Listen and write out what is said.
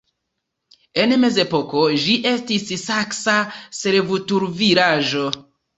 En mezepoko ĝi estis saksa servutulvilaĝo.